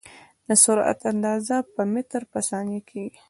د سرعت اندازه په متر پر ثانیه کېږي.